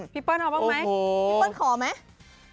พี่เปิ้ลเอาบ้างไหมพี่เปิ้ลขอไหมโอ้โฮ